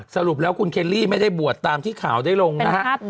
สรุปแล้วคุณเคลลี่ไม่ได้บวชตามที่ข่าวได้ลงนะครับ